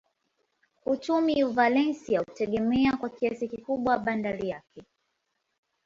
Uchumi wa Valencia hutegemea kwa kiasi kikubwa bandari yake.